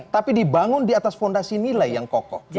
tapi dibangun di atas fondasi nilai yang kokoh